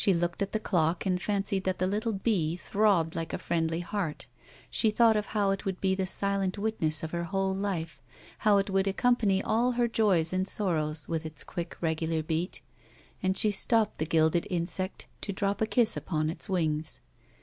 39 looked at the clock and fancied that the little bee throbbed like a friendly heart ; she thought of how it would be the silent witness of her whole life, how it would accompany all her joys and sorrows with its quicic regular beat, and she stopped the gilded insect to drop a kiss upon its wings.